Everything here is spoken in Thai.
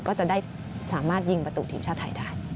ก็จะได้สามารถยิงประตูทีมชาติไทยได้